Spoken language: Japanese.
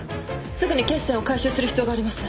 すぐに血栓を回収する必要があります